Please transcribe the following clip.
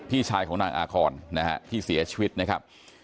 พี่ชายของนางอาคอนนะฮะที่เสียชีวิตนะครับ